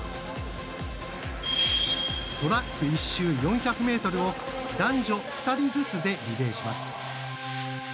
トラック１周４００ｍを男女２人ずつでリレーします。